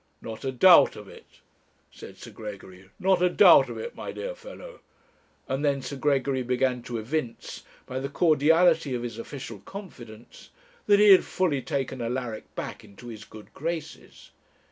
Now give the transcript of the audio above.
'Not a doubt of it,' said Sir Gregory 'not a doubt of it, my dear fellow;' and then Sir Gregory began to evince, by the cordiality of his official confidence, that he had fully taken Alaric back into his good graces.